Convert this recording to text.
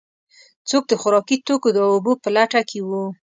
څوک د خوراکي توکو او اوبو په لټه کې و.